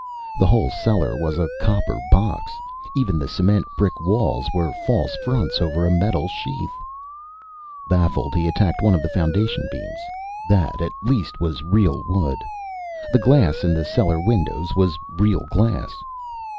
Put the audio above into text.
The whole cellar was a copper box. Even the cement brick walls were false fronts over a metal sheath! Baffled, he attacked one of the foundation beams. That, at least, was real wood. The glass in the cellar windows was real glass.